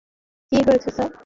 কি হয়েছে স্যার?